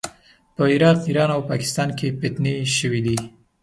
په عراق، ایران او پاکستان کې فتنې شوې دي.